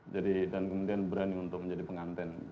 jadi dan kemudian berani untuk menjadi penganten